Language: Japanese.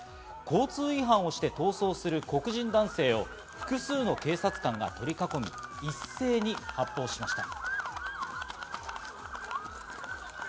交通違反をして逃走する黒人男性を複数の警察官が取り囲み、一斉に発砲しました。